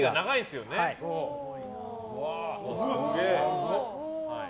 すげえ。